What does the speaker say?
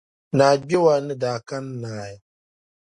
Naa Gbewaa ni daa kani n-naai.